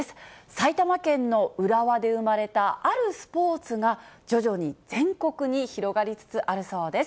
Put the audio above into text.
埼玉県の浦和で生まれたあるスポーツが、徐々に全国に広がりつつあるそうです。